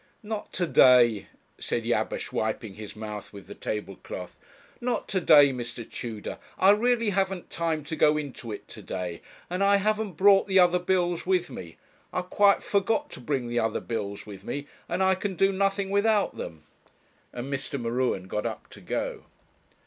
'Not to day,' said Jabesh, wiping his mouth with the table cloth. 'Not to day, Mr. Tudor I really haven't time to go into it to day and I haven't brought the other bills with me; I quite forgot to bring the other bills with me, and I can do nothing without them,' and Mr. M'Ruen got up to go.